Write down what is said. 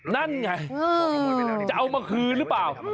นั่นไงจะเอามาคืนหรือเปล่า